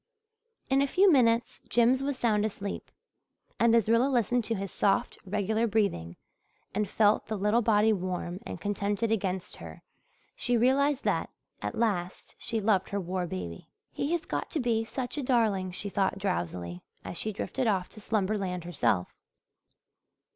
In a few minutes Jims was sound asleep; and, as Rilla listened to his soft, regular breathing and felt the little body warm and contented against her, she realized that at last she loved her war baby. "He has got to be such a darling," she thought drowsily, as she drifted off to slumberland herself.